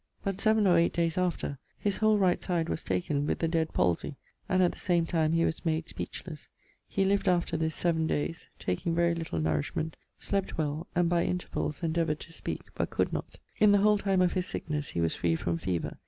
But seven or eight days after, his whole right side was taken with the dead palsy, and at the same time he was made speechlesse. He lived after this seven days, taking very little nourishment, slept well, and by intervalls endeavoured to speake, but could not. In the whole time of his sicknesse he was free from fever.